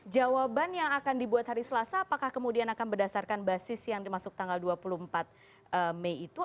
jawaban yang akan dibuat hari selasa apakah kemudian akan berdasarkan basis yang dimasuk tanggal dua puluh empat mei itu